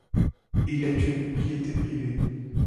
Il est une propriété privée.